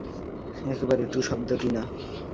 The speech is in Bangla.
একেবারে টুঁ শব্দটি না।